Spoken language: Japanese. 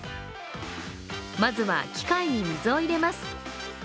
まずは機械に水を入れます。